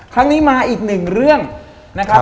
ครั้งนี้มาอีกหนึ่งเรื่องนะครับ